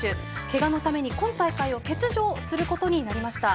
けがのために今大会を欠場することになりました。